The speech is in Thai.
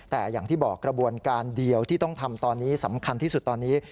แต่อย่างที่บอกกระบวนการเดียวที่ต้องทำตอนนี้สำคัญที่สุดตอนนี้